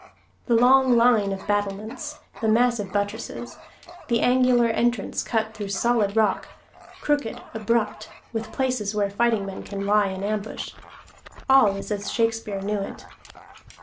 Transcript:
The long line of battlements, the massive buttresses, the angular entrance cut through solid rock, crooked, abrupt, with places where fighting men can lie in ambush, all is as Shakespeare knew it.